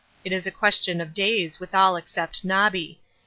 It is a question of days with all except Nobby.